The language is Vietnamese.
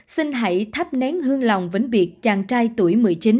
xin hãy thắp nén hương lòng vĩnh biệt chàng trai tuổi một mươi chín